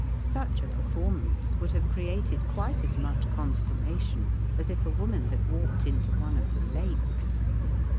Such a performance would have created quite as much consterna tion as if a woman had walked into one of the lakes.